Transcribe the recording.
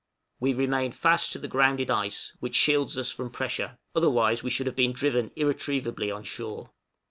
We remain fast to the grounded ice, which shields us from pressure, otherwise we should have been driven irretrievably on shore.